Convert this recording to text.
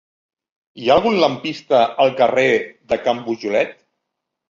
Hi ha algun lampista al carrer de Can Pujolet?